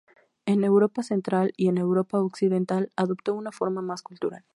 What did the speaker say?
En Europa Central y en Europa Occidental, adoptó una forma más cultural.